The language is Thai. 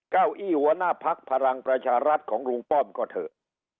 เก้าอี้หัวหน้าพักพลังประชารัฐของลุงป้อมก็เถอะ